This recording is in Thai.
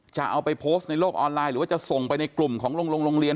จะเอาไปโพสต์ในโลกออนไลน์หรือว่าจะส่งไปในกลุ่มของโรงเรียน